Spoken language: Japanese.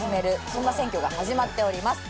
そんな選挙が始まっております。